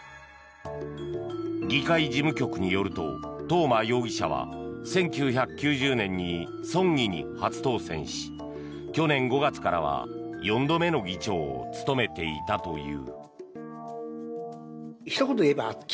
議会事務局によると東間容疑者は１９９０年に村議に初当選し去年５月からは４度目の議長を務めていたという。